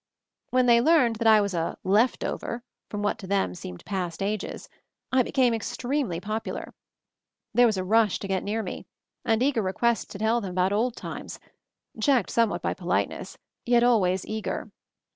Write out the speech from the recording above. When they learned that I was a "left over" from what to them seemed past ages, I became extremely popular. There was a rush to get near me, and eager requests to tell them about old times — checked some what by politeness, yet always eager.